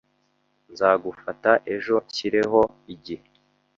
Nzagufata ejo nshyireho igihe